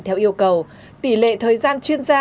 theo yêu cầu tỷ lệ thời gian chuyên gia